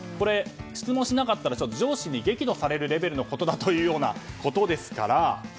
質問しなかったら上司に激怒されるレベルのことですから。